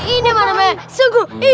ini pak bapak sungguh